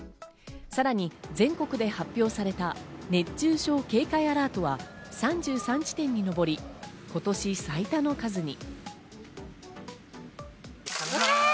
さらに全国で発表された熱中症警戒アラートは、３３地点に上り、今年最多の数に。